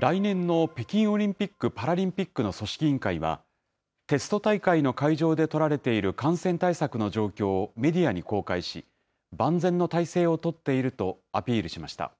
来年の北京オリンピック・パラリンピックの組織委員会は、テスト大会の会場で取られている感染対策の状況をメディアに公開し、万全の態勢を取っているとアピールしました。